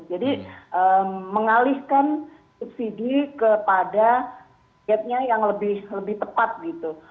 jadi mengalihkan subsidi kepada gapnya yang lebih tepat gitu